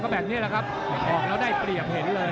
แบบนี้แหละครับออกแล้วได้เปรียบเห็นเลย